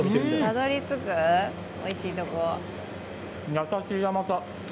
優しい甘さ。